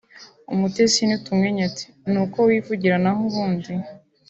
“ Umutesi n’utumwenyu ati “ Ni uko wivugira naho ubundi ……